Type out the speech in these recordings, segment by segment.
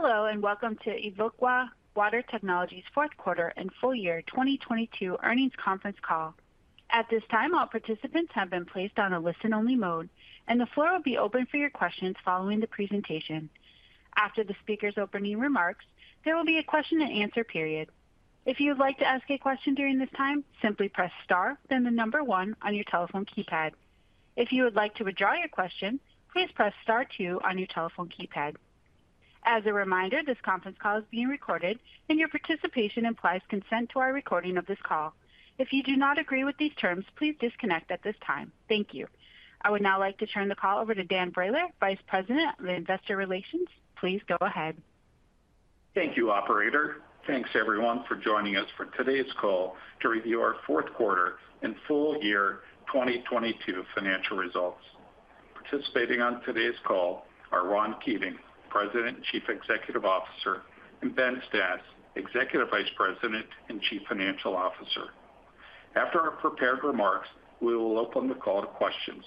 Hello, and welcome to Evoqua Water Technologies Q4 and Full Year 2022 Earnings Conference Call. At this time, all participants have been placed on a listen-only mode, and the floor will be open for your questions following the presentation. After the speaker's opening remarks, there will be a question-and-answer period. If you would like to ask a question during this time, simply press Star, then the number one on your telephone keypad. If you would like to withdraw your question, please press Star two on your telephone keypad. As a reminder, this conference call is being recorded and your participation implies consent to our recording of this call. If you do not agree with these terms, please disconnect at this time. Thank you. I would now like to turn the call over to Dan Brailer, Vice President of Investor Relations. Please go ahead. Thank you, operator. Thanks everyone for joining us for today's call to review our Q4 and Full Year 2022 Financial Results. Participating on today's call are Ron Keating, President and Chief Executive Officer, and Ben Stas, Executive Vice President and Chief Financial Officer. After our prepared remarks, we will open the call to questions.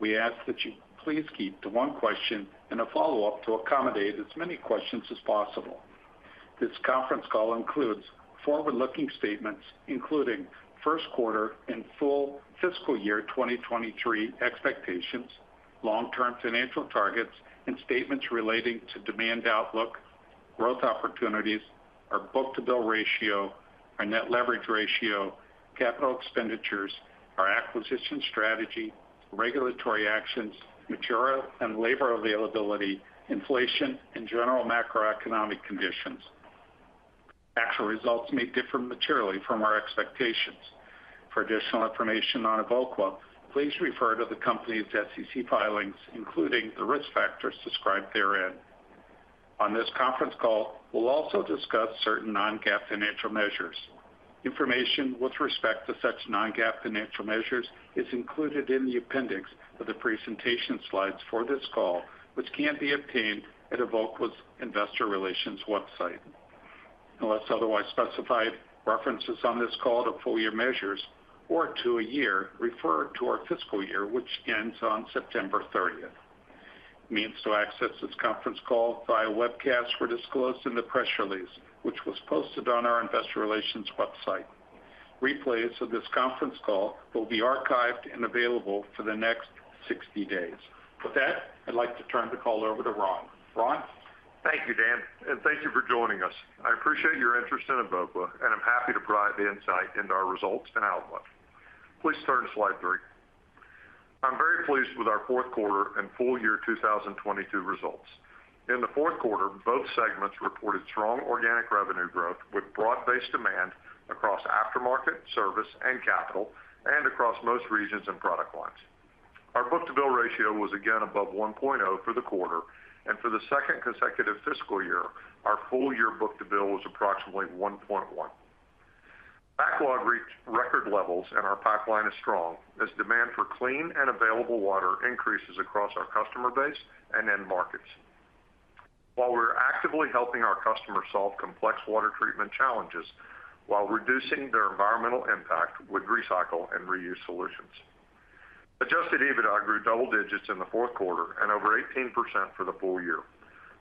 We ask that you please keep to one question and a follow-up to accommodate as many questions as possible. This conference call includes forward-looking statements, including Q1 and full Fiscal Year 2023 expectations, long-term financial targets and statements relating to demand outlook, growth opportunities, our book-to-bill ratio, our net leverage ratio, capital expenditures, our acquisition strategy, regulatory actions, material and labor availability, inflation and general macroeconomic conditions. Actual results may differ materially from our expectations. For additional information on Evoqua, please refer to the company's SEC filings, including the risk factors described therein. On this conference call, we'll also discuss certain non-GAAP financial measures. Information with respect to such non-GAAP financial measures is included in the appendix of the presentation slides for this call, which can be obtained at Evoqua's investor relations website. Unless otherwise specified, references on this call to full year measures or to a year refer to our Fiscal Year, which ends on September 30th. Means to access this conference call via webcast were disclosed in the press release, which was posted on our investor relations website. Replays of this conference call will be archived and available for the next 60 days. With that, I'd like to turn the call over to Ron. Ron? Thank you, Dan, and thank you for joining us. I appreciate your interest in Evoqua, and I'm happy to provide the insight into our results and outlook. Please turn to slide three. I'm very pleased with our Q4 and full year 2022 results. In the Q4, both segments reported strong organic revenue growth with broad-based demand across aftermarket, service and capital and across most regions and product lines. Our book-to-bill ratio was again above 1.0 for the quarter. For the second consecutive Fiscal Year, our full year book-to-bill was approximately 1.1. Backlog reached record levels and our pipeline is strong as demand for clean and available water increases across our customer base and end markets while we're actively helping our customers solve complex water treatment challenges while reducing their environmental impact with recycle and reuse solutions. Adjusted EBITDA grew double digits in the Q4 and over 18% for the full year.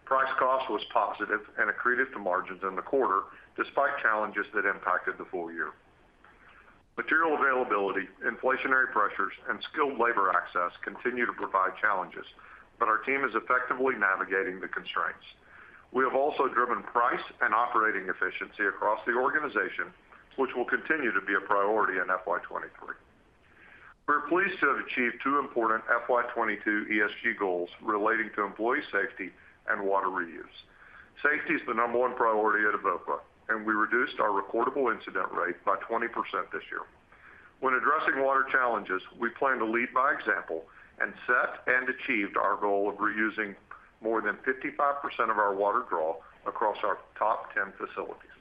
Price cost was positive and accretive to margins in the quarter despite challenges that impacted the full year. Material availability, inflationary pressures, and skilled labor access continue to provide challenges, but our team is effectively navigating the constraints. We have also driven price and operating efficiency across the organization, which will continue to be a priority in FY 2023. We're pleased to have achieved two important FY 2022 ESG goals relating to employee safety and water reuse. Safety is the number one priority at Evoqua, and we reduced our recordable incident rate by 20% this year. When addressing water challenges, we plan to lead by example and set and achieved our goal of reusing more than 55% of our water draw across our top 10 facilities.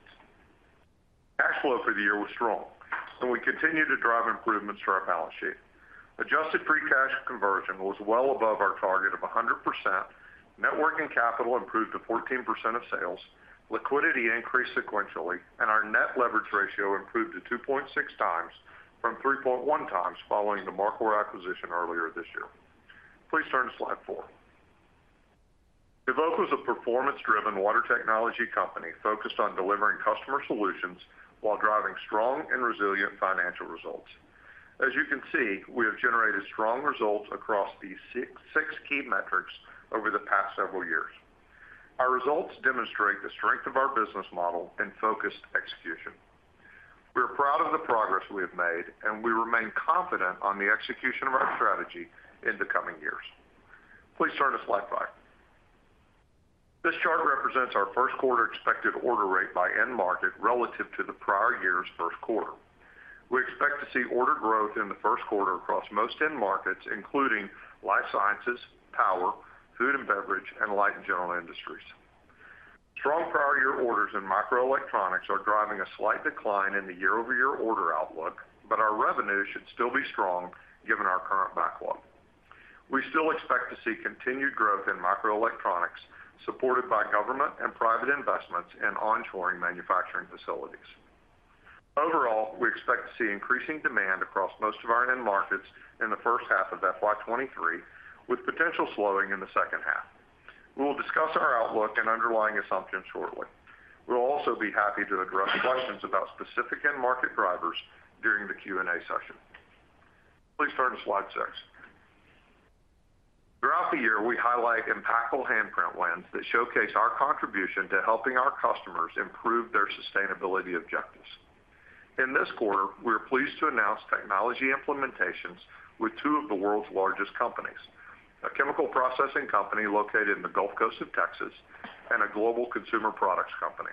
Cash flow for the year was strong, and we continue to drive improvements to our balance sheet. Adjusted free cash conversion was well above our target of 100%. Net working capital improved to 14% of sales. Liquidity increased sequentially, and our net leverage ratio improved to 2.6 times from 3.1 times following the Mar Cor acquisition earlier this year. Please turn to slide four. Evoqua is a performance-driven water technology company focused on delivering customer solutions while driving strong and resilient financial results. As you can see, we have generated strong results across these six key metrics over the past several years. Our results demonstrate the strength of our business model and focused execution. We are proud of the progress we have made, and we remain confident on the execution of our strategy in the coming years. Please turn to slide five. This chart represents our Q1 expected order rate by end market relative to the prior year's Q1. We expect to see order growth in the Q1 across most end markets, including life sciences, power, food and beverage, and light and general industries. Strong prior year orders in microelectronics are driving a slight decline in the year-over-year order outlook, but our revenue should still be strong given our current backlog. We still expect to see continued growth in microelectronics, supported by government and private investments in onshoring manufacturing facilities. Overall, we expect to see increasing demand across most of our end markets in the first half of FY 2023, with potential slowing in the second half. We will discuss our outlook and underlying assumptions shortly. We'll also be happy to address questions about specific end market drivers during the Q&A session. Please turn to slide six. Throughout the year, we highlight impactful handprint wins that showcase our contribution to helping our customers improve their sustainability objectives. In this quarter, we are pleased to announce technology implementations with two of the world's largest companies, a chemical processing company located in the Gulf Coast of Texas, and a global consumer products company.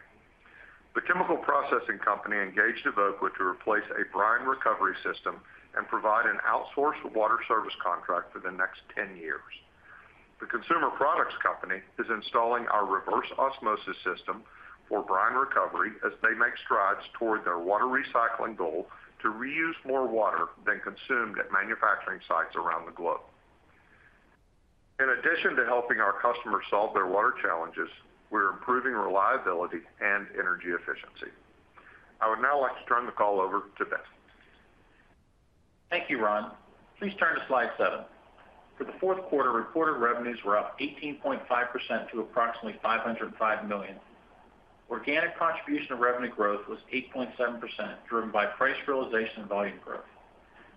The chemical processing company engaged Evoqua to replace a brine recovery system and provide an outsourced water service contract for the next 10 years. The consumer products company is installing our reverse osmosis system for brine recovery as they make strides toward their water recycling goal to reuse more water than consumed at manufacturing sites around the globe. In addition to helping our customers solve their water challenges, we're improving reliability and energy efficiency. I would now like to turn the call over to Ben. Thank you, Ron. Please turn to slide seven. For the Q4, reported revenues were up 18.5% to approximately $505 million. Organic contribution of revenue growth was 8.7%, driven by price realization and volume growth.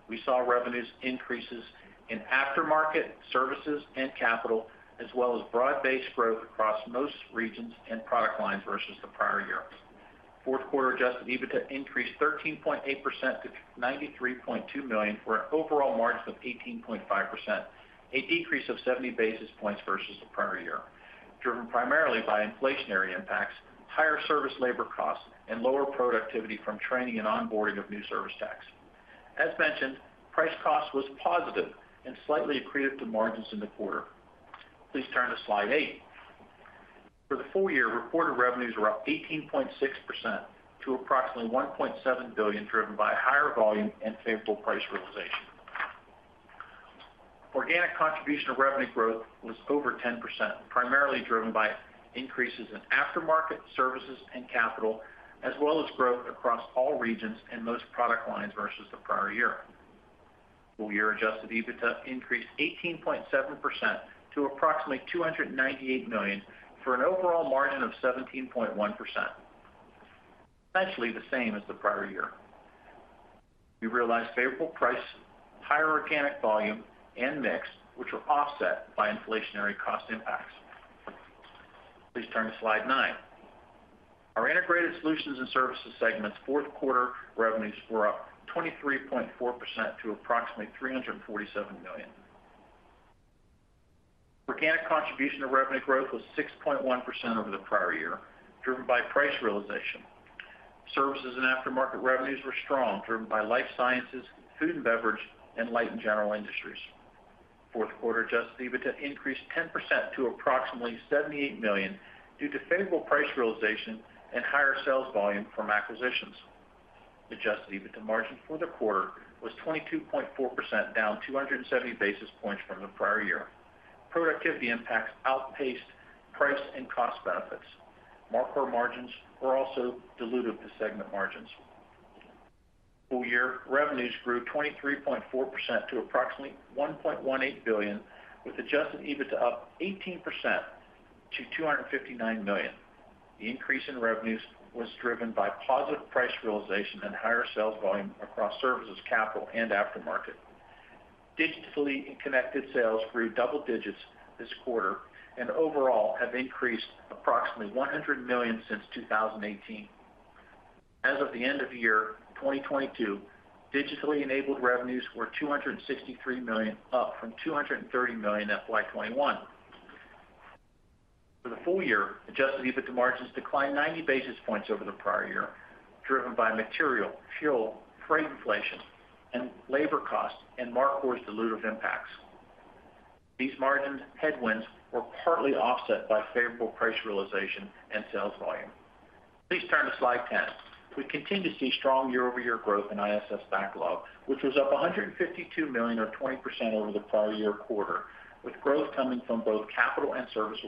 We saw revenues increases in aftermarket, services, and capital, as well as broad-based growth across most regions and product lines versus the prior year. Q4 adjusted EBITDA increased 13.8% to $93.2 million for an overall margin of 18.5%, a decrease of 70 basis points versus the prior year, driven primarily by inflationary impacts, higher service labor costs, and lower productivity from training and onboarding of new service techs. As mentioned, price cost was positive and slightly accretive to margins in the quarter. Please turn to slide eight. For the full year, reported revenues were up 18.6% to approximately $1.7 billion, driven by higher volume and favorable price realization. Organic contribution of revenue growth was over 10%, primarily driven by increases in aftermarket, services, and capital, as well as growth across all regions and most product lines versus the prior year. Full year adjusted EBITDA increased 18.7% to approximately $298 million for an overall margin of 17.1%, essentially the same as the prior year. We realized favorable price, higher organic volume, and mix, which were offset by inflationary cost impacts. Please turn to slide nine. Our Integrated Solutions and Services segment's Q4 revenues were up 23.4% to approximately $347 million. Organic contribution of revenue growth was 6.1% over the prior year, driven by price realization. Services and aftermarket revenues were strong, driven by life sciences, food and beverage, and light and general industries. Q4 adjusted EBITDA increased 10% to approximately $78 million due to favorable price realization and higher sales volume from acquisitions. Adjusted EBITDA margin for the quarter was 22.4%, down 270 basis points from the prior year. Productivity impacts outpaced price and cost benefits. Mar Cor margins were also dilutive to segment margins. Full year revenues grew 23.4% to approximately $1.18 billion, with adjusted EBITDA up 18% to $259 million. The increase in revenues was driven by positive price realization and higher sales volume across services, capital and aftermarket. Digitally and connected sales grew double digits this quarter and overall have increased approximately $100 million since 2018. As of the end of year 2022, digitally enabled revenues were $263 million, up from $230 million FY 2021. For the full year, adjusted EBITDA margins declined 90 basis points over the prior year, driven by material, fuel, freight inflation, and labor costs and Mar Cor's dilutive impacts. These margin headwinds were partly offset by favorable price realization and sales volume. Please turn to slide 10. We continue to see strong year-over-year growth in ISS backlog, which was up $152 million or 20% over the prior-year quarter, with growth coming from both capital and service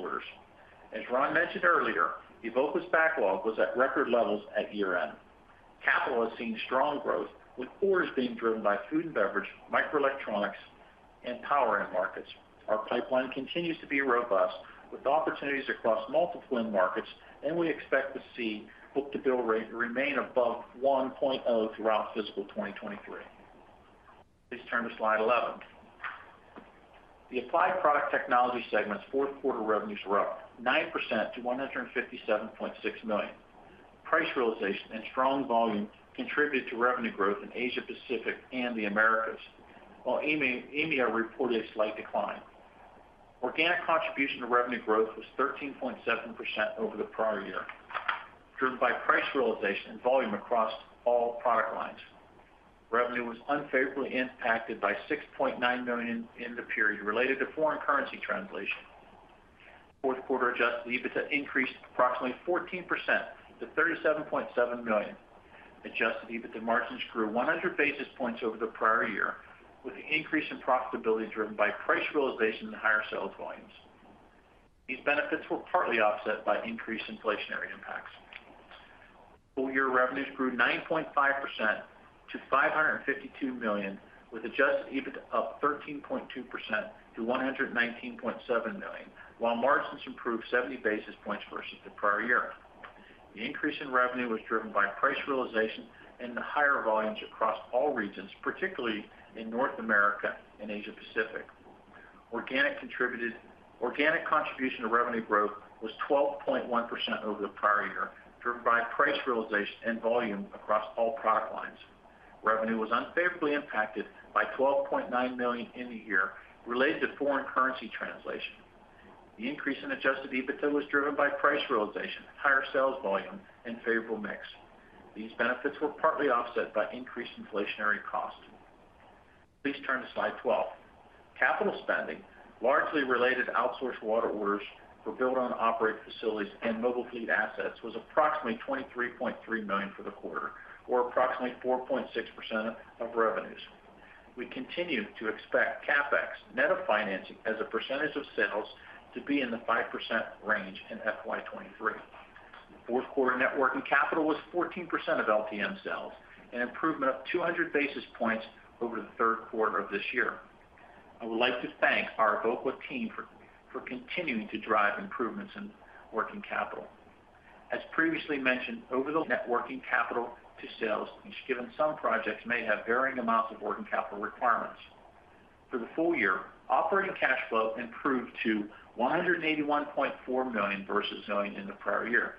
orders. As Ron mentioned earlier, Evoqua's backlog was at record levels at year-end. Capital has seen strong growth, with cores being driven by food and beverage, microelectronics, and power end markets. Our pipeline continues to be robust, with opportunities across multiple end markets, and we expect to see book-to-bill rate remain above 1.0 throughout Fiscal 2023. Please turn to slide 11. The Applied Product Technologies segment's Q4 revenues were up 9% to $157.6 million. Price realization and strong volume contributed to revenue growth in Asia Pacific and the Americas, while EMEA reported a slight decline. Organic contribution to revenue growth was 13.7% over the prior year, driven by price realization and volume across all product lines. Revenue was unfavorably impacted by $6.9 million in the period related to foreign currency translation. Q4 adjusted EBITDA increased approximately 14% to $37.7 million. Adjusted EBITDA margins grew 100 basis points over the prior year, with the increase in profitability driven by price realization and higher sales volumes. These benefits were partly offset by increased inflationary impacts. Full year revenues grew 9.5% to $552 million, with adjusted EBITDA up 13.2% to $119.7 million, while margins improved 70 basis points versus the prior year. The increase in revenue was driven by price realization and the higher volumes across all regions, particularly in North America and Asia Pacific. Organic contribution to revenue growth was 12.1% over the prior year, driven by price realization and volume across all product lines. Revenue was unfavorably impacted by $12.9 million in the year related to foreign currency translation. The increase in adjusted EBITDA was driven by price realization, higher sales volume and favorable mix. These benefits were partly offset by increased inflationary costs. Please turn to slide 12. Capital spending, largely related to outsourced water orders for build-own-operate facilities and mobile fleet assets, was approximately $23.3 million for the quarter or approximately 4.6% of revenues. We continue to expect CapEx net of financing as a percentage of sales to be in the 5% range in FY 2023. Q4 net working capital was 14% of LTM sales, an improvement of 200 basis points over the Q3 of this year. I would like to thank our Evoqua team for continuing to drive improvements in working capital. As previously mentioned, overall, the net working capital to sales, even given some projects may have varying amounts of working capital requirements. For the full year, operating cash flow improved to $181.4 million versus $178.7 million in the prior year.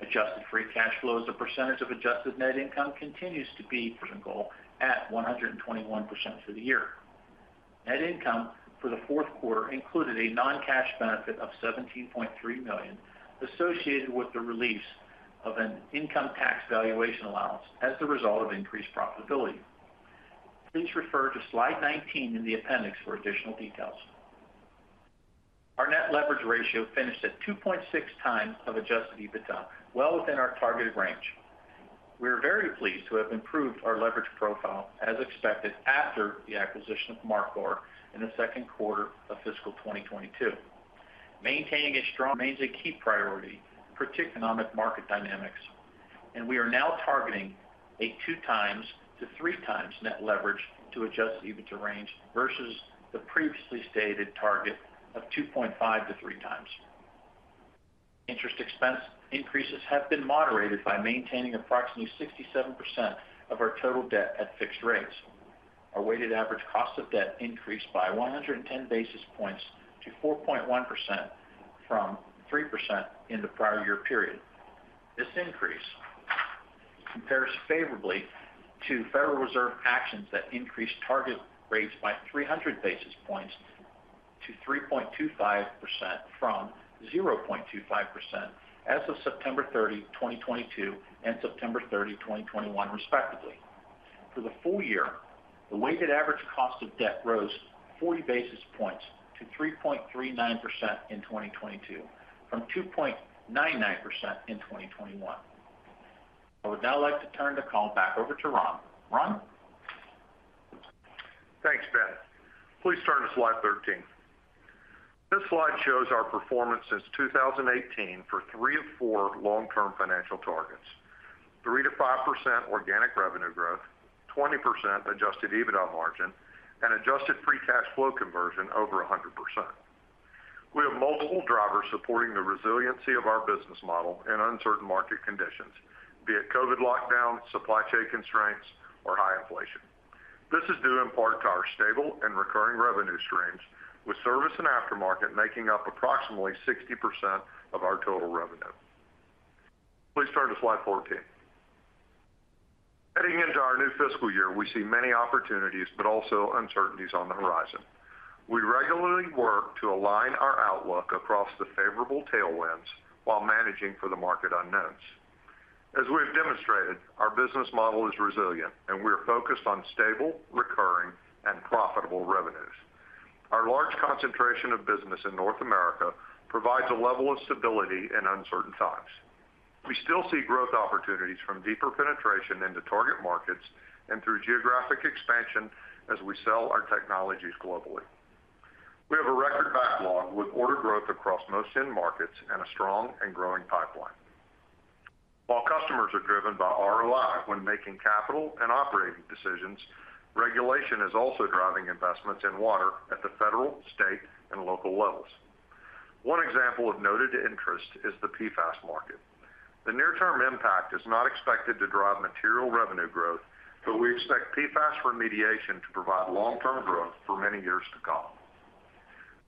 Adjusted free cash flow as a percentage of adjusted net income continues to be above the goal at 121% for the year. Net income for the Q4 included a non-cash benefit of $17.3 million associated with the release of an income tax valuation allowance as the result of increased profitability. Please refer to slide 19 in the appendix for additional details. Our net leverage ratio finished at 2.6x adjusted EBITDA, well within our targeted range. We are very pleased to have improved our leverage profile as expected after the acquisition of Mar Cor in the Q2 of Fiscal 2022. Maintaining a strong balance sheet remains a key priority, particularly in the current economic and market dynamics, and we are now targeting a 2x-3x net leverage to adjusted EBITDA range versus the previously stated target of 2.5x-3x. Interest expense increases have been moderated by maintaining approximately 67% of our total debt at fixed rates. Our weighted average cost of debt increased by 110 basis points to 4.1% from 3% in the prior-year period. This increase compares favorably to Federal Reserve actions that increased target rates by 300 basis points to 3.25% from 0.25% as of September 30, 2022 and September 30, 2021, respectively. For the full year, the weighted average cost of debt rose 40 basis points to 3.39% in 2022 from 2.99% in 2021. I would now like to turn the call back over to Ron. Ron? Thanks, Ben. Please turn to slide 13. This slide shows our performance since 2018 for three of four long-term financial targets. 3%-5% organic revenue growth, 20% adjusted EBITDA margin, and adjusted free cash flow conversion over 100%. We have multiple drivers supporting the resiliency of our business model in uncertain market conditions, be it COVID lockdown, supply chain constraints, or high inflation. This is due in part to our stable and recurring revenue streams, with service and aftermarket making up approximately 60% of our total revenue. Please turn to slide 14. Heading into our new Fiscal Year, we see many opportunities but also uncertainties on the horizon. We regularly work to align our outlook across the favorable tailwinds while managing for the market unknowns. As we have demonstrated, our business model is resilient, and we are focused on stable, recurring, and profitable revenues. Our large concentration of business in North America provides a level of stability in uncertain times. We still see growth opportunities from deeper penetration into target markets and through geographic expansion as we sell our technologies globally. We have a record backlog with order growth across most end markets and a strong and growing pipeline. While customers are driven by ROI when making capital and operating decisions, regulation is also driving investments in water at the federal, state, and local levels. One example of noted interest is the PFAS market. The near-term impact is not expected to drive material revenue growth, but we expect PFAS remediation to provide long-term growth for many years to come.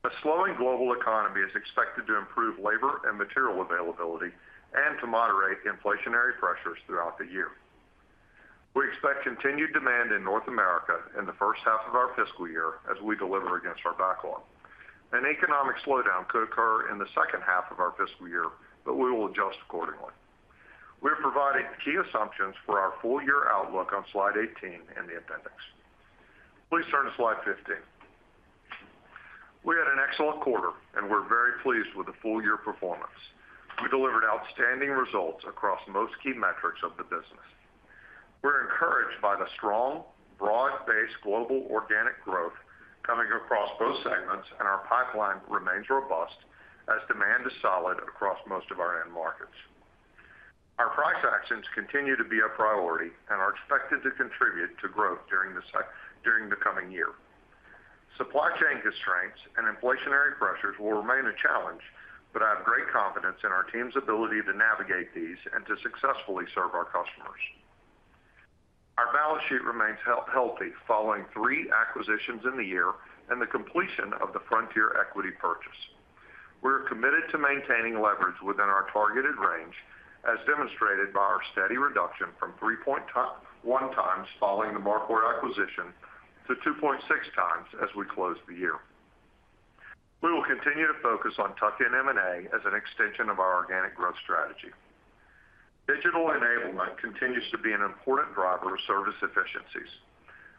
A slowing global economy is expected to improve labor and material availability and to moderate inflationary pressures throughout the year. We expect continued demand in North America in the first half of our Fiscal Year as we deliver against our backlog. An economic slowdown could occur in the second half of our Fiscal Year, but we will adjust accordingly. We're providing key assumptions for our full year outlook on slide 18 in the appendix. Please turn to slide 15. We had an excellent quarter, and we're very pleased with the full year performance. We delivered outstanding results across most key metrics of the business. We're encouraged by the strong, broad-based global organic growth coming across both segments, and our pipeline remains robust as demand is solid across most of our end markets. Our price actions continue to be a priority and are expected to contribute to growth during the coming year. Supply chain constraints and inflationary pressures will remain a challenge, but I have great confidence in our team's ability to navigate these and to successfully serve our customers. Our balance sheet remains healthy following three acquisitions in the year and the completion of the Frontier equity purchase. We're committed to maintaining leverage within our targeted range, as demonstrated by our steady reduction from 3.1x following the Mar Cor acquisition to 2.6x as we close the year. We will continue to focus on tuck-in M&A as an extension of our organic growth strategy. Digital enablement continues to be an important driver of service efficiencies.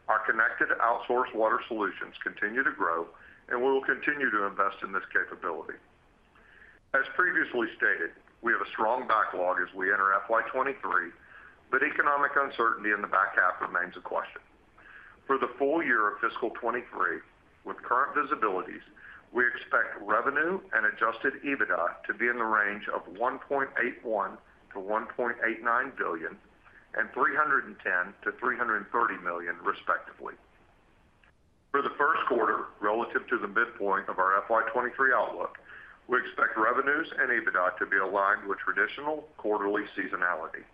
Our connected outsourced water solutions continue to grow, and we will continue to invest in this capability. As previously stated, we have a strong backlog as we enter FY 2023, but economic uncertainty in the back half remains a question. For the full year of Fiscal 2023, with current visibilities, we expect revenue and adjusted EBITDA to be in the range of $1.81 billion-$1.89 billion and $310 million-$330 million, respectively. For the Q1, relative to the midpoint of our FY 2023 outlook, we expect revenues and EBITDA to be aligned with traditional quarterly seasonality.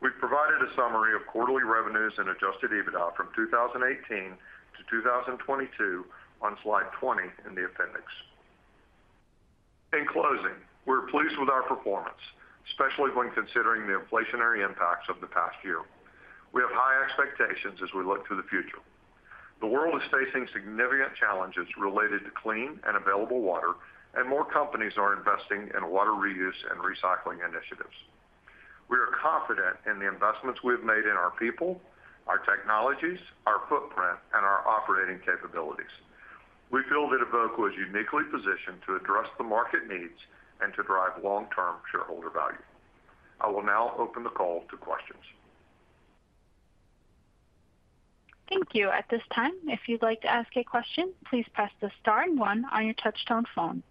We've provided a summary of quarterly revenues and adjusted EBITDA from 2018 to 2022 on slide 20 in the appendix. In closing, we're pleased with our performance, especially when considering the inflationary impacts of the past year. We have high expectations as we look to the future. The world is facing significant challenges related to clean and available water, and more companies are investing in water reuse and recycling initiatives. We are confident in the investments we have made in our people, our technologies, our footprint, and our operating capabilities. We feel that Evoqua is uniquely positioned to address the market needs and to drive long-term shareholder value. I will now open the call to questions. Thank you. At this time, if you'd like to ask a question, please press the Star and one on your touchtone phone.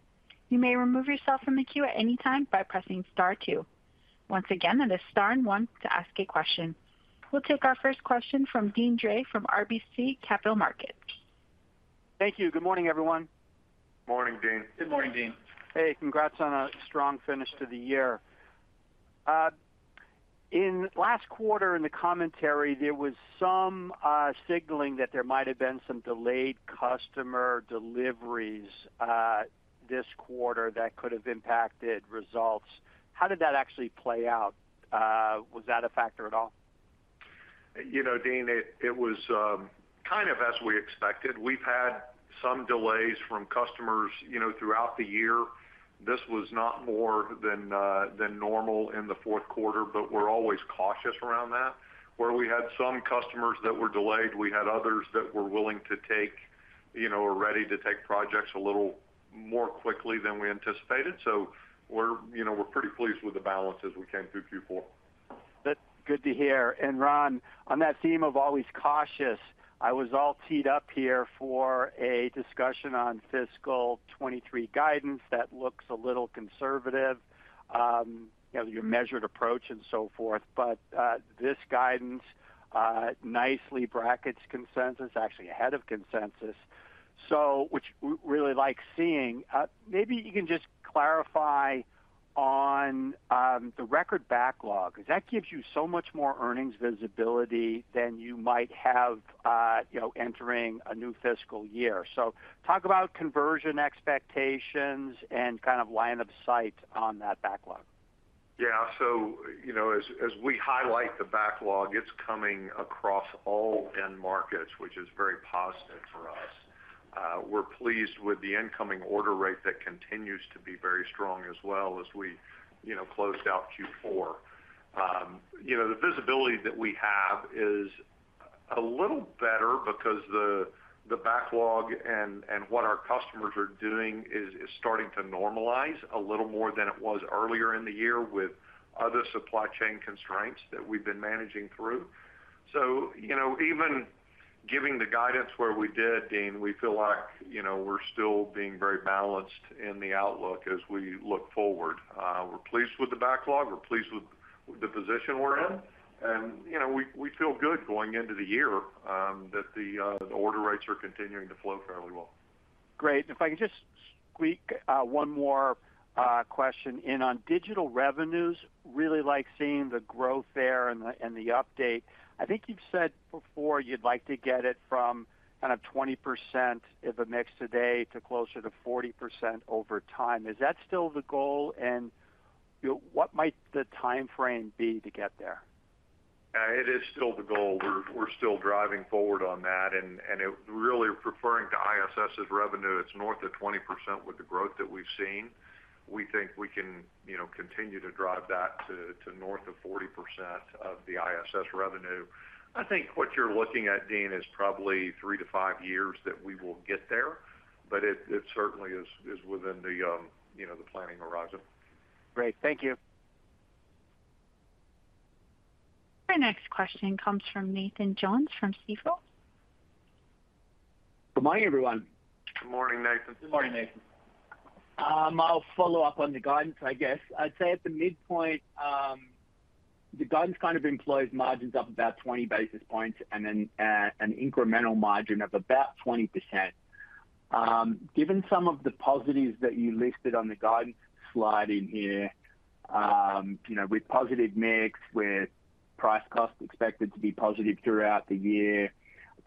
You may remove yourself from the queue at any time by pressing Star two. Once again, that is Star and one to ask a question. We'll take our first question from Deane Dray from RBC Capital Markets. Thank you. Good morning, everyone. Morning, Dean. Good morning, Deane. Hey, congrats on a strong finish to the year. In last quarter in the commentary, there was some signaling that there might have been some delayed customer deliveries, this quarter that could have impacted results. How did that actually play out? Was that a factor at all? You know, Deane, it was kind of as we expected. We've had some delays from customers, you know, throughout the year. This was not more than than normal in the Q4, but we're always cautious around that. Where we had some customers that were delayed, we had others that were willing to take, you know, or ready to take projects a little more quickly than we anticipated. We're, you know, pretty pleased with the balance as we came through Q4. That's good to hear. Ron, on that theme of always cautious, I was all teed up here for a discussion on Fiscal 2023 guidance that looks a little conservative, you know, your measured approach and so forth. This guidance nicely brackets consensus, actually ahead of consensus. Which we really like seeing. Maybe you can just clarify on the record backlog, because that gives you so much more earnings visibility than you might have, you know, entering a new Fiscal Year. Talk about conversion expectations and kind of line of sight on that backlog. Yeah. You know, as we highlight the backlog, it's coming across all end markets, which is very positive for us. We're pleased with the incoming order rate that continues to be very strong as well as we you know closed out Q4. You know, the visibility that we have is a little better because the backlog and what our customers are doing is starting to normalize a little more than it was earlier in the year with other supply chain constraints that we've been managing through. You know, even giving the guidance where we did, Deane, we feel like, you know, we're still being very balanced in the outlook as we look forward. We're pleased with the backlog. We're pleased with the position we're in. You know, we feel good going into the year that the order rates are continuing to flow fairly well. Great. If I can just squeak one more question in on digital revenues, really like seeing the growth there and the update. I think you've said before you'd like to get it from kind of 20% of the mix today to closer to 40% over time. Is that still the goal? You know, what might the timeframe be to get there? It is still the goal. We're still driving forward on that. It really referring to ISS's revenue, it's north of 20% with the growth that we've seen. We think we can, you know, continue to drive that to north of 40% of the ISS revenue. I think what you're looking at, Dean, is probably three to five years that we will get there, but it certainly is within the, you know, the planning horizon. Great. Thank you. Our next question comes from Nathan Jones from Stifel. Good morning, everyone. Good morning, Nathan. Good morning, Nathan. I'll follow up on the guidance, I guess. I'd say at the midpoint, the guidance kind of employs margins up about 20 basis points and then, an incremental margin of about 20%. Given some of the positives that you listed on the guidance slide in here, you know, with positive mix, with price cost expected to be positive throughout the year,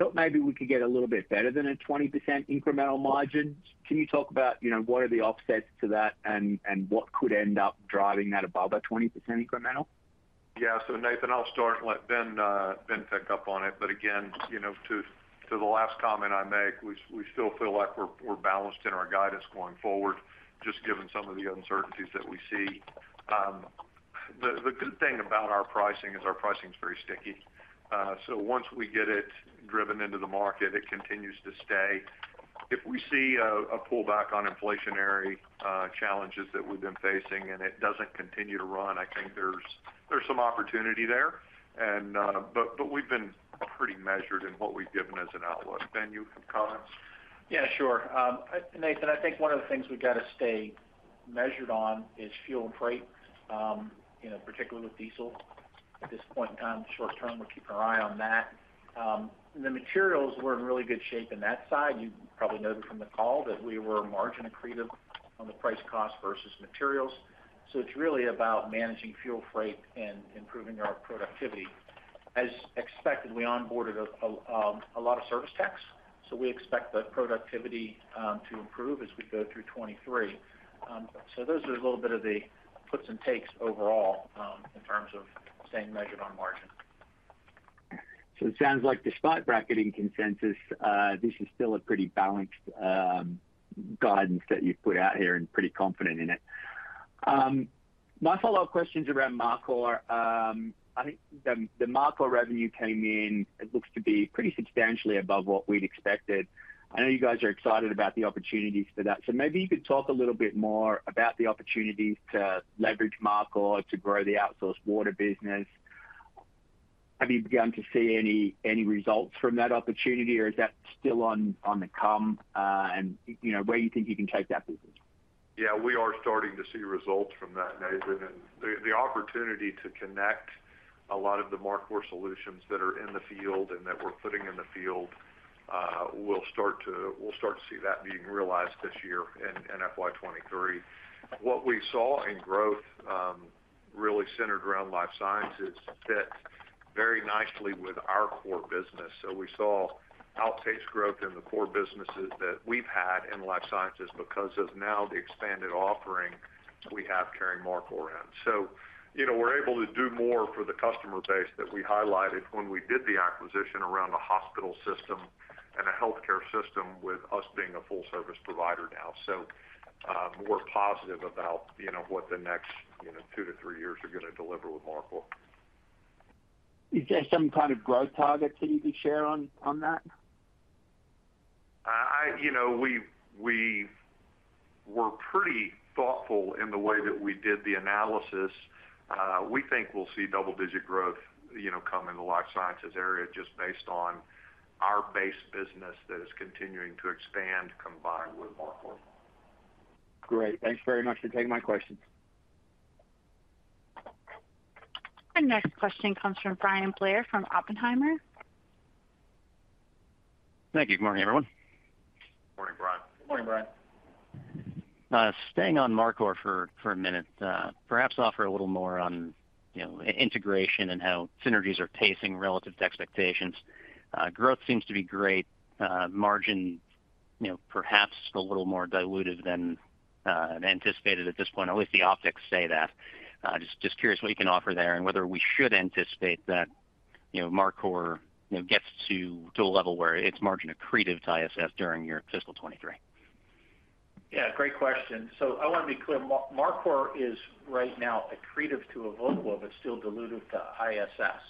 I thought maybe we could get a little bit better than a 20% incremental margin. Can you talk about, you know, what are the offsets to that and what could end up driving that above a 20% incremental? Yeah. Nathan, I'll start and let Ben pick up on it. Again, you know, to the last comment I make, we still feel like we're balanced in our guidance going forward, just given some of the uncertainties that we see. The good thing about our pricing is our pricing is very sticky. So once we get it driven into the market, it continues to stay. If we see a pullback on inflationary challenges that we've been facing and it doesn't continue to run, I think there's some opportunity there. We've been pretty measured in what we've given as an outlook. Ben, you have comments? Yeah, sure. Nathan, I think one of the things we've got to stay measured on is fuel and freight, you know, particularly with diesel. At this point in time, short-term, we're keeping our eye on that. The materials, we're in really good shape in that side. You probably noted from the call that we were margin accretive on the price cost versus materials. It's really about managing fuel freight and improving our productivity. As expected, we onboarded a lot of service techs, so we expect the productivity to improve as we go through 2023. Those are a little bit of the puts and takes overall, in terms of staying measured on margin. It sounds like despite bracketing consensus, this is still a pretty balanced guidance that you've put out here and pretty confident in it. My follow-up question is around Mar Cor. I think the Mar Cor revenue came in, it looks to be pretty substantially above what we'd expected. I know you guys are excited about the opportunities for that. Maybe you could talk a little bit more about the opportunities to leverage Mar Cor to grow the outsourced water business. Have you begun to see any results from that opportunity, or is that still on the come, and, you know, where you think you can take that business? Yeah, we are starting to see results from that, Nathan. The opportunity to connect a lot of the Mar Cor solutions that are in the field and that we're putting in the field. We'll start to see that being realized this year in FY 2023. What we saw in growth really centered around life sciences fits very nicely with our core business. We saw outpaced growth in the core businesses that we've had in life sciences because of now the expanded offering we have carrying Mar Cor in. You know, we're able to do more for the customer base that we highlighted when we did the acquisition around a hospital system and a healthcare system with us being a full service provider now. More positive about, you know, what the next, you know, two to three years are gonna deliver with Mar Cor. Is there some kind of growth target, can you share on that? You know, we were pretty thoughtful in the way that we did the analysis. We think we'll see double-digit growth, you know, come in the life sciences area just based on our base business that is continuing to expand combined with Mar Cor. Great. Thanks very much for taking my questions. Our next question comes from Bryan Blair from Oppenheimer. Thank you. Good morning, everyone. Morning, Bryan. Morning, Bryan. Staying on Mar Cor for a minute, perhaps offer a little more on, you know, integration and how synergies are pacing relative to expectations. Growth seems to be great, margin, you know, perhaps a little more diluted than anticipated at this point. At least the optics say that. Just curious what you can offer there and whether we should anticipate that, you know, Mar Cor gets to a level where it's margin accretive to ISS during your Fiscal 2023. Yeah, great question. I wanna be clear, Mar Cor is right now accretive to Evoqua, but still dilutive to ISS.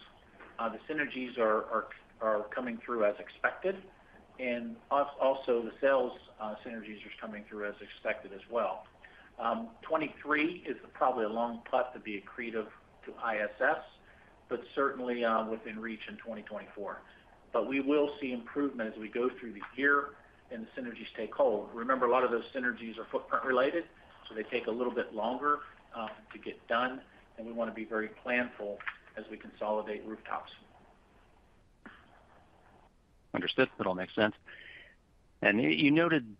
The synergies are coming through as expected, and also the sales synergies are coming through as expected as well. 2023 is probably a long shot to be accretive to ISS, but certainly within reach in 2024. We will see improvement as we go through the year and the synergies take hold. Remember, a lot of those synergies are footprint related, so they take a little bit longer to get done, and we wanna be very planful as we consolidate rooftops. Understood. That all makes sense. You noted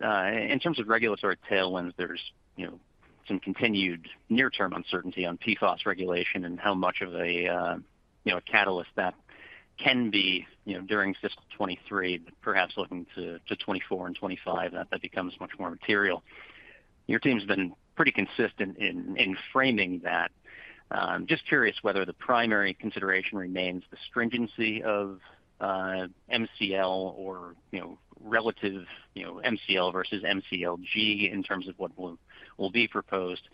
in terms of regulatory tailwinds, there's, you know, some continued near-term uncertainty on PFAS regulation and how much of a, you know, a catalyst that can be, you know, during Fiscal 2023, but perhaps looking to 2024 and 2025, that becomes much more material. Your team's been pretty consistent in framing that. Just curious whether the primary consideration remains the stringency of MCL or, you know, relative, you know, MCL versus MCLG in terms of what will be proposed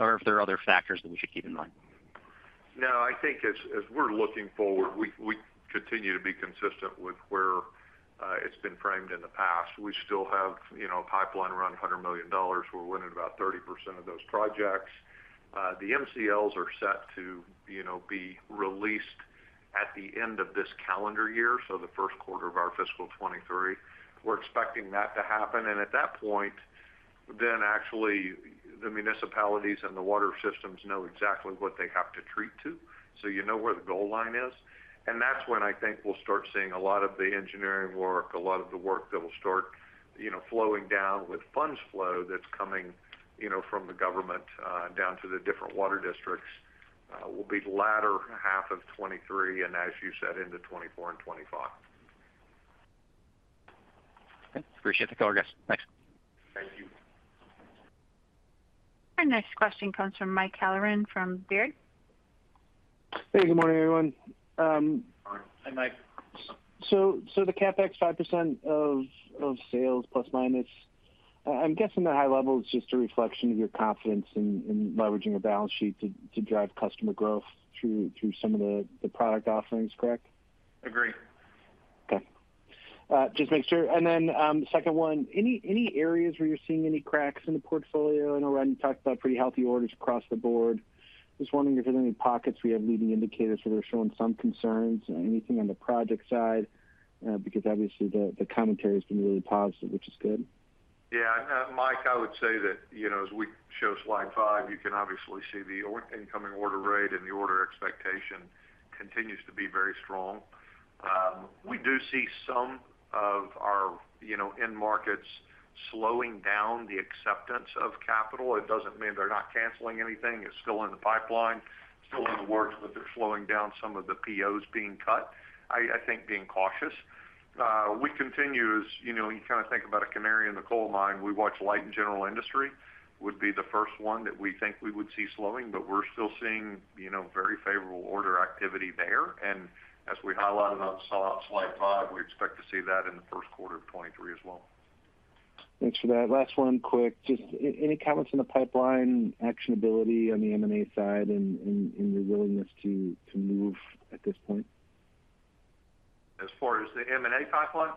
or if there are other factors that we should keep in mind. No, I think as we're looking forward, we continue to be consistent with where it's been framed in the past. We still have, you know, a pipeline around $100 million. We're winning about 30% of those projects. The MCLs are set to, you know, be released at the end of this calendar year, so the Q1 of our Fiscal 2023. We're expecting that to happen. At that point, then actually the municipalities and the water systems know exactly what they have to treat to. You know where the goal line is. That's when I think we'll start seeing a lot of the engineering work, a lot of the work that will start, you know, flowing down with funds flow that's coming, you know, from the government, down to the different water districts, will be the latter half of 2023, and as you said, into 2024 and 2025. Okay. Appreciate the color, guys. Thanks. Thank you. Our next question comes from Mike Halloran from Baird. Hey, good morning, everyone. Morning. Hi, Mike. The CapEx ±5% of sales, I'm guessing the high level is just a reflection of your confidence in leveraging a balance sheet to drive customer growth through some of the product offerings, correct? Agree. Okay. Just make sure. The second one, any areas where you're seeing any cracks in the portfolio? I know, Ryan, you talked about pretty healthy orders across the board. Just wondering if there's any pockets we have leading indicators that are showing some concerns, anything on the project side? Because obviously the commentary has been really positive, which is good. Yeah. Mike, I would say that, you know, as we show slide five, you can obviously see the incoming order rate and the order expectation continues to be very strong. We do see some of our, you know, end markets slowing down the acceptance of capital. It doesn't mean they're not canceling anything. It's still in the pipeline, still in the works, but they're slowing down some of the POs being cut. I think being cautious. We continue. You know, you kind of think about a canary in the coal mine. We watch light and general industry, would be the first one that we think we would see slowing, but we're still seeing, you know, very favorable order activity there. As we highlighted on slide five, we expect to see that in the Q1 of 2023 as well. Thanks for that. Last one quick. Just any comments on the pipeline actionability on the M&A side and your willingness to move at this point? As far as the M&A pipeline?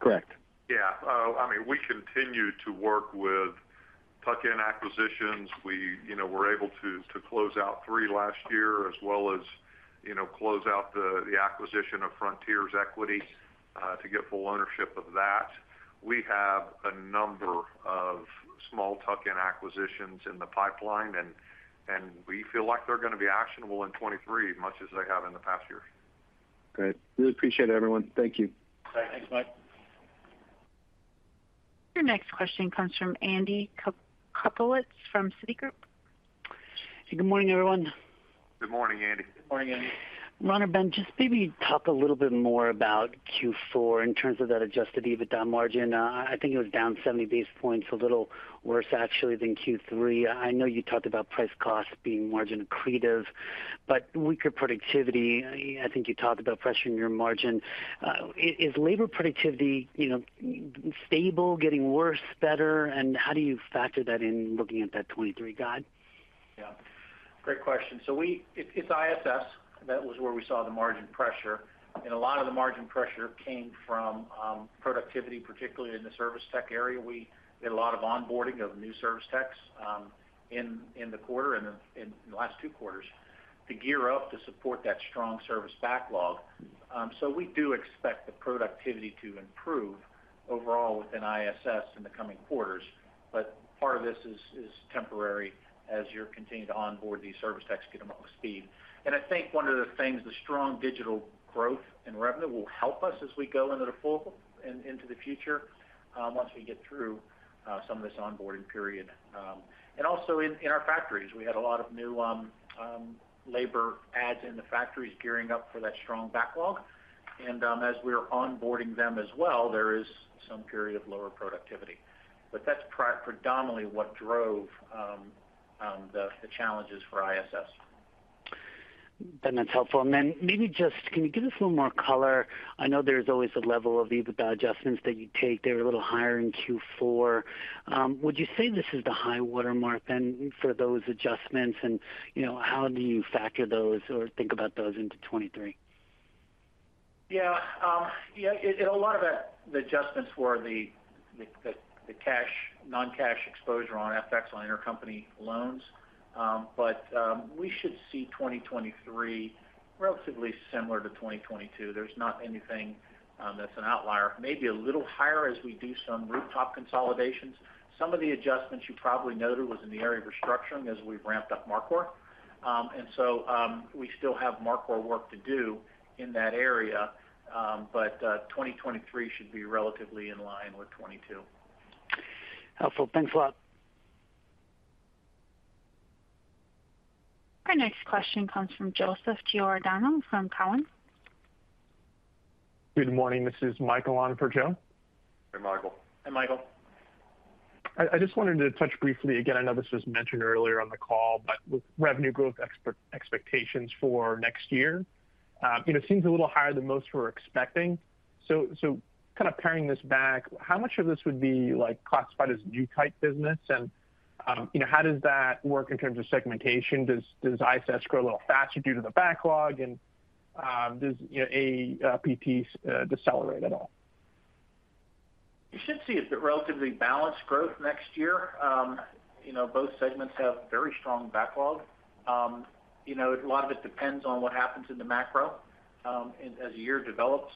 Correct. Yeah. I mean, we continue to work with tuck-in acquisitions. We, you know, were able to close out three last year as well as, you know, close out the acquisition of Frontier Water Systems' equity to get full ownership of that. We have a number of small tuck-in acquisitions in the pipeline, and we feel like they're gonna be actionable in 2023 much as they have in the past year. Great. Really appreciate it, everyone. Thank you. Thanks, Mike. Your next question comes from Andy Kaplowitz from Citigroup. Good morning, everyone. Good morning, Andy. Morning, Andy. Ron or Ben, just maybe talk a little bit more about Q4 in terms of that adjusted EBITDA margin. I think it was down 70 basis points, a little worse actually than Q3. I know you talked about price cost being margin accretive, but weaker productivity. I think you talked about pressuring your margin. Is labor productivity, you know, stable, getting worse, better? And how do you factor that in looking at that 2023 guide? Yeah. Great question. It's ISS that was where we saw the margin pressure. A lot of the margin pressure came from productivity, particularly in the service tech area. We did a lot of onboarding of new service techs in the quarter and in the last two quarters to gear up to support that strong service backlog. We do expect the productivity to improve overall within ISS in the coming quarters. Part of this is temporary as you're continuing to onboard these service techs, get them up to speed. I think one of the things, the strong digital growth in revenue will help us as we go into the future, once we get through some of this onboarding period. In our factories, we had a lot of new labor adds in the factories gearing up for that strong backlog. As we're onboarding them as well, there is some period of lower productivity. That's predominantly what drove the challenges for ISS. Ben, that's helpful. Maybe just can you give us a little more color? I know there's always a level of EBITDA adjustments that you take. They were a little higher in Q4. Would you say this is the high watermark then for those adjustments? You know, how do you factor those or think about those into 2023? Yeah, a lot of the adjustments were the non-cash exposure on FX on intercompany loans. We should see 2023 relatively similar to 2022. There's not anything that's an outlier. Maybe a little higher as we do some rooftop consolidations. Some of the adjustments you probably noted was in the area of restructuring as we've ramped up Mar Cor. We still have Mar Cor work to do in that area. 2023 should be relatively in line with 2022. Helpful. Thanks a lot. Our next question comes from Joseph Giordano from Cowen. Good morning. This is Michael in for Joe. Hey, Michael. Hey, Michael. I just wanted to touch briefly, again, I know this was mentioned earlier on the call, but with revenue growth expectations for next year, you know, seems a little higher than most were expecting. Kind of paring this back, how much of this would be like classified as new type business? You know, how does that work in terms of segmentation? Does ISS grow a little faster due to the backlog? You know, does APT decelerate at all? You should see it's a relatively balanced growth next year. You know, both segments have very strong backlog. You know, a lot of it depends on what happens in the macro, as the year develops.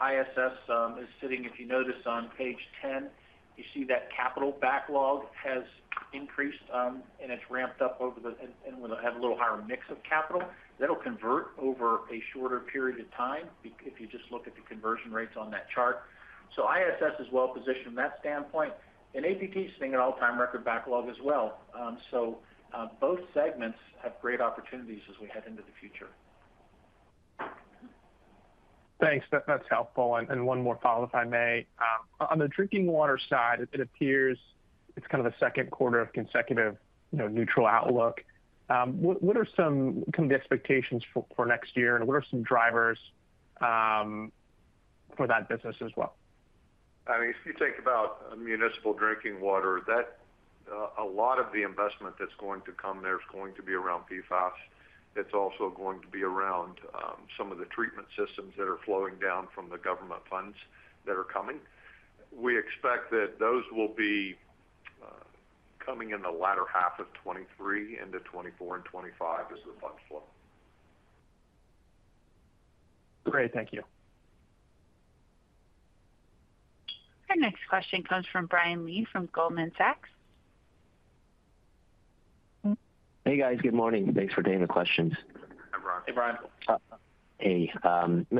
ISS is sitting, if you notice on page 10, you see that capital backlog has increased, and it's ramped up, and we'll have a little higher mix of capital. That'll convert over a shorter period of time if you just look at the conversion rates on that chart. ISS is well positioned from that standpoint, and APT is seeing an all-time record backlog as well. Both segments have great opportunities as we head into the future. Thanks. That's helpful. One more follow if I may. On the drinking water side, it appears it's kind of the Q2 of consecutive, you know, neutral outlook. What are some kind of the expectations for next year? What are some drivers for that business as well? I mean, if you think about municipal drinking water, that a lot of the investment that's going to come there is going to be around PFAS. It's also going to be around some of the treatment systems that are flowing down from the government funds that are coming. We expect that those will be coming in the latter half of 2023 into 2024 and 2025 as the funds flow. Great. Thank you. Our next question comes from Brian Lee from Goldman Sachs. Hey, guys. Good morning. Thanks for taking the questions. Hi, Brian. Hey, Brian. Hey.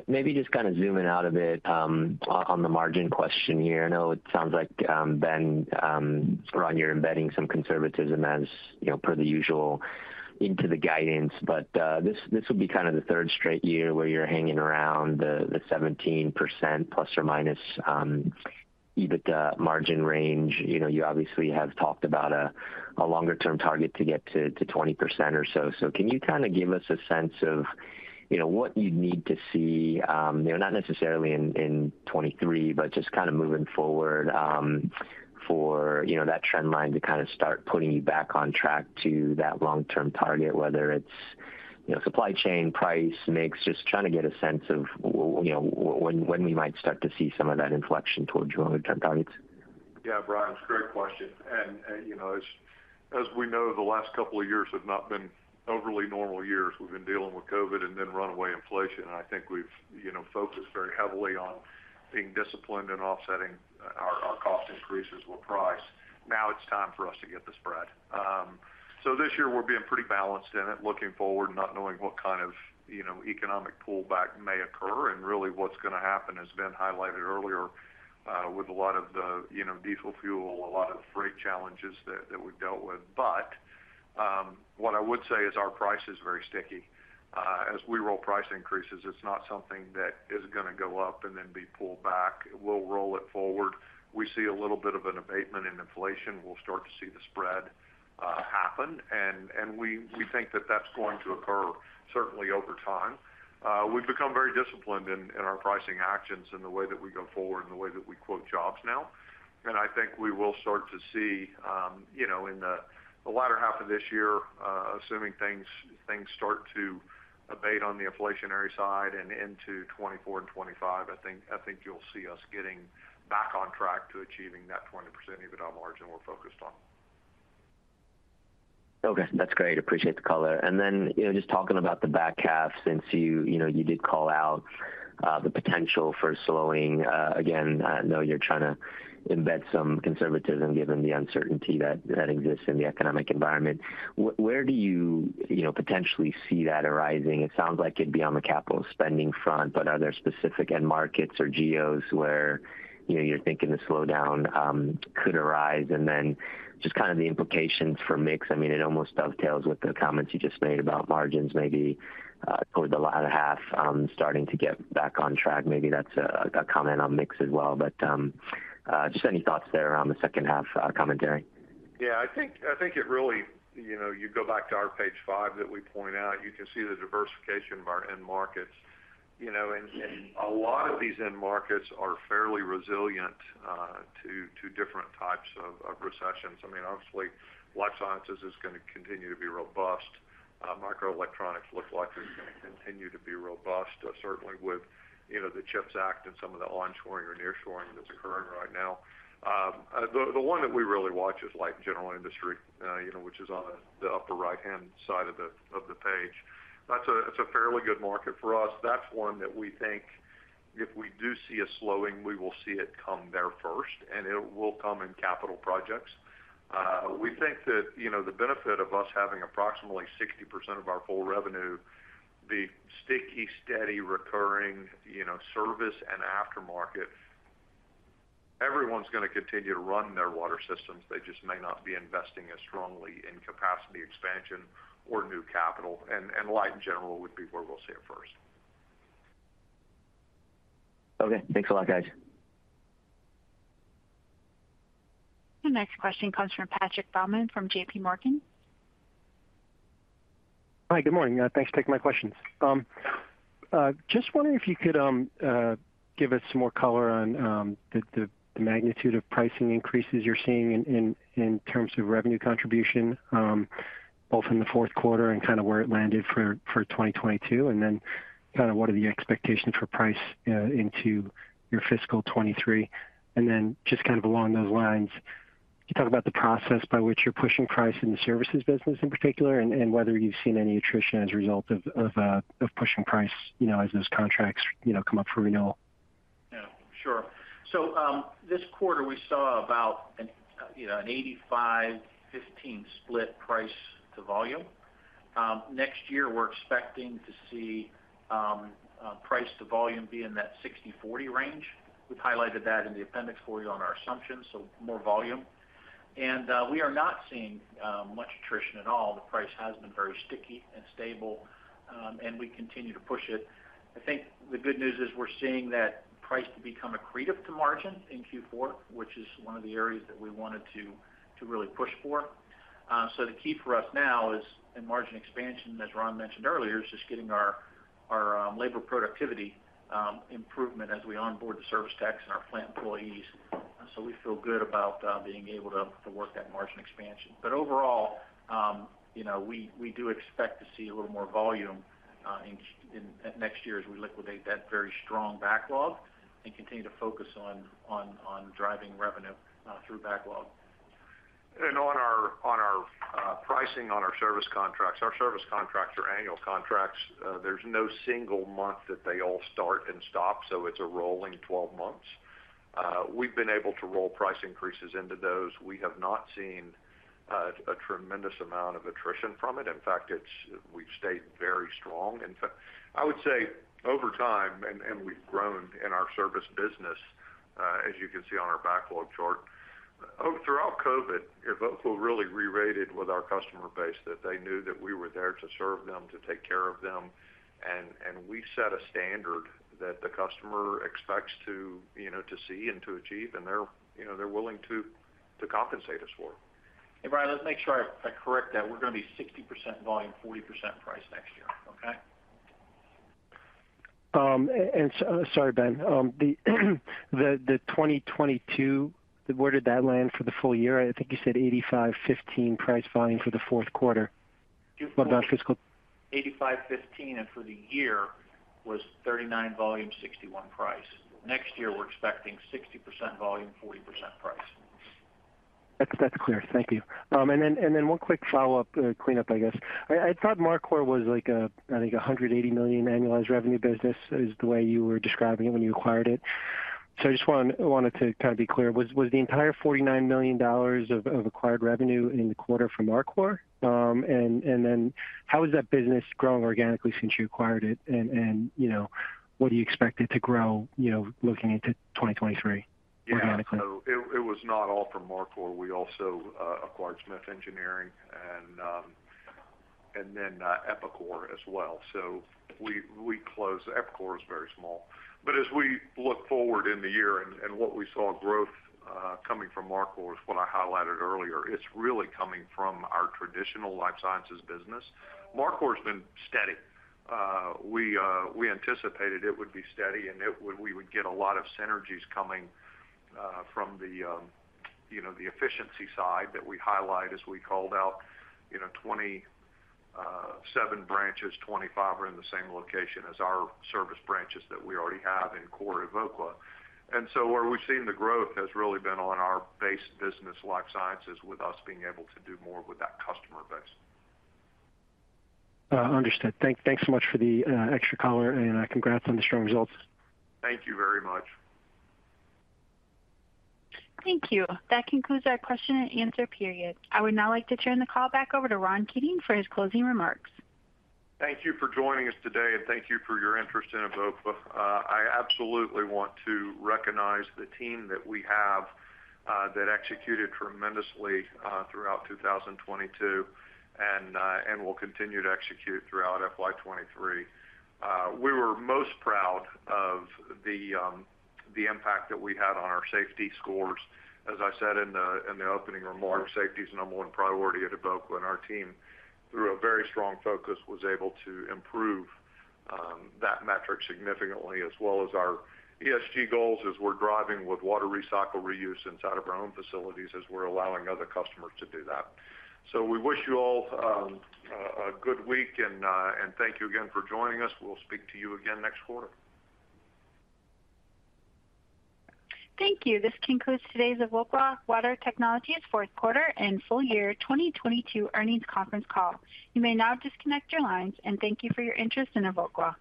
Maybe just kind of zooming out a bit, on the margin question here. I know it sounds like, Ben, or Ron, you're embedding some conservatism as, you know, per the usual into the guidance. This will be kind of the third straight year where you're hanging around the 17% ± EBITDA margin range. You know, you obviously have talked about a longer-term target to get to 20% or so. Can you kind of give us a sense of, you know, what you'd need to see, you know, not necessarily in 2023, but just kind of moving forward, for you know, that trend line to kind of start putting you back on track to that long-term target, whether it's, you know, supply chain, price, mix, just trying to get a sense of, you know, when we might start to see some of that inflection towards your longer-term targets. Yeah, Brian, it's a great question. You know, as we know, the last couple of years have not been overly normal years. We've been dealing with COVID and then runaway inflation. I think we've, you know, focused very heavily on being disciplined and offsetting our cost increases with price. Now it's time for us to get the spread. This year we're being pretty balanced in it, looking forward, not knowing what kind of, you know, economic pullback may occur. Really what's gonna happen has been highlighted earlier, with a lot of the, you know, diesel fuel, a lot of the freight challenges that we've dealt with. What I would say is our price is very sticky. As we roll price increases, it's not something that is gonna go up and then be pulled back. We'll roll it forward. We see a little bit of an abatement in inflation. We'll start to see the spread happen. We think that that's going to occur certainly over time. We've become very disciplined in our pricing actions and the way that we go forward and the way that we quote jobs now. I think we will start to see you know in the latter half of this year assuming things start to abate on the inflationary side and into 2024 and 2025, I think you'll see us getting back on track to achieving that 20% EBITDA margin we're focused on. Okay. That's great. Appreciate the color. Then, you know, just talking about the back half, since you know you did call out the potential for slowing again, I know you're trying to embed some conservatism given the uncertainty that exists in the economic environment. Where do you know potentially see that arising? It sounds like it'd be on the capital spending front, but are there specific end markets or geos where you know you're thinking the slowdown could arise? Then just kind of the implications for mix. I mean, it almost dovetails with the comments you just made about margins maybe towards the latter half starting to get back on track. Maybe that's a comment on mix as well. Just any thoughts there around the second half commentary? Yeah, I think it really, you know, you go back to our page five that we point out, you can see the diversification of our end markets. You know, a lot of these end markets are fairly resilient to different types of recessions. I mean, obviously, life sciences is gonna continue to be robust. Microelectronics look like they're gonna continue to be robust, certainly with, you know, the CHIPS Act and some of the onshoring or nearshoring that's occurring right now. The one that we really watch is light general industry, you know, which is on the upper right-hand side of the page. It's a fairly good market for us. That's one that we think if we do see a slowing, we will see it come there first, and it will come in capital projects. We think that, you know, the benefit of us having approximately 60% of our full revenue be sticky, steady, recurring, you know, service and aftermarket, everyone's gonna continue to run their water systems. They just may not be investing as strongly in capacity expansion or new capital. Like in general would be where we'll see it first. Okay. Thanks a lot, guys. The next question comes from Patrick Baumann from J.P. Morgan. Hi, good morning. Thanks for taking my questions. Just wondering if you could give us some more color on the magnitude of pricing increases you're seeing in terms of revenue contribution, both in the Q4 and kind of where it landed for 2022, and then kind of what are the expectations for price into your Fiscal 2023. Just kind of along those lines, can you talk about the process by which you're pushing price in the services business in particular, and whether you've seen any attrition as a result of pushing price, you know, as those contracts, you know, come up for renewal? Yeah, sure. This quarter we saw about, you know, an 85/15 split price to volume. Next year, we're expecting to see price to volume be in that 60/40 range. We've highlighted that in the appendix for you on our assumptions, so more volume. We are not seeing much attrition at all. The price has been very sticky and stable, and we continue to push it. I think the good news is we're seeing that price to become accretive to margin in Q4, which is one of the areas that we wanted to really push for. The key for us now is in margin expansion, as Ron mentioned earlier, just getting our labor productivity improvement as we onboard the service techs and our plant employees. We feel good about being able to work that margin expansion. Overall, you know, we do expect to see a little more volume in next year as we liquidate that very strong backlog and continue to focus on driving revenue through backlog. On our pricing on our service contracts. Our service contracts are annual contracts. There's no single month that they all start and stop, so it's a rolling 12 months. We've been able to roll price increases into those. We have not seen a tremendous amount of attrition from it. In fact, it's we've stayed very strong. In fact, I would say over time, and we've grown in our service business, as you can see on our backlog chart. Throughout COVID, Evoqua really rerated with our customer base that they knew that we were there to serve them, to take care of them. We set a standard that the customer expects to, you know, to see and to achieve, and they're, you know, willing to compensate us for. Hey, Brian, let's make sure I correct that. We're gonna be 60% volume, 40% price next year. Okay? Sorry, Ben. The 2022, where did that land for the full year? I think you said 85/15 price volume for the Q4. What about Fiscal- 85/15, and for the year was 39% volume, 61% price. Next year, we're expecting 60% volume, 40% price. That's clear. Thank you. One quick follow-up, cleanup, I guess. I thought Mar Cor was like a, I think 180 million annualized revenue business, the way you were describing it when you acquired it. I just wanted to kind of be clear. Was the entire $49 million of acquired revenue in the quarter from Mar Cor? How is that business growing organically since you acquired it? You know, what do you expect it to grow, you know, looking into 2023 organically? Yeah. It was not all from Mar Cor. We also acquired Smith Engineering and then Epicor as well. We closed. Epicor is very small. As we look forward in the year and what we saw growth coming from Mar Cor is what I highlighted earlier. It's really coming from our traditional life sciences business. Mar Cor's been steady. We anticipated it would be steady, and we would get a lot of synergies coming from the you know, the efficiency side that we highlight as we called out. You know, 27 branches, 25 are in the same location as our service branches that we already have in core Evoqua. Where we've seen the growth has really been on our base business life sciences with us being able to do more with that customer base. Understood. Thanks so much for the extra color, and congrats on the strong results. Thank you very much. Thank you. That concludes our question and answer period. I would now like to turn the call back over to Ron Keating for his closing remarks. Thank you for joining us today, and thank you for your interest in Evoqua. I absolutely want to recognize the team that we have that executed tremendously throughout 2022 and will continue to execute throughout FY 2023. We were most proud of the impact that we had on our safety scores. As I said in the opening remarks, safety is number one priority at Evoqua, and our team, through a very strong focus, was able to improve that metric significantly as well as our ESG goals as we're driving with water recycle reuse inside of our own facilities as we're allowing other customers to do that. We wish you all a good week and thank you again for joining us. We'll speak to you again next quarter. Thank you. This concludes today's Evoqua Water Technologies Q4 and Full Year 2022 Earnings Conference call. You may now disconnect your lines, and thank you for your interest in Evoqua.